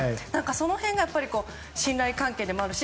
その辺が信頼関係でもあるし